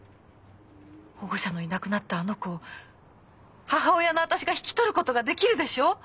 保護者のいなくなったあの子を母親の私が引き取ることができるでしょう！？